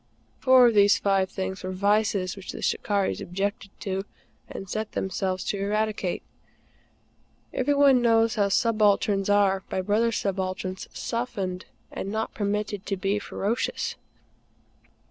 Four of these five things were vices which the "Shikarris" objected to and set themselves to eradicate. Every one knows how subalterns are, by brother subalterns, softened and not permitted to be ferocious.